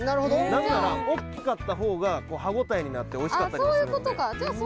なぜなら大きかった方が歯応えになっておいしかったりもするんでああ